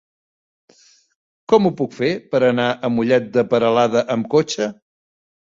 Com ho puc fer per anar a Mollet de Peralada amb cotxe?